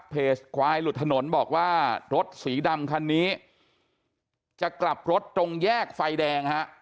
ควายหลุดถนนบอกว่ารถสีดำคันนี้จะกลับรถตรงแยกไฟแดงฮะ